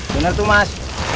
bener tuh mas